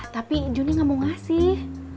tapi junnya gak mau ngasih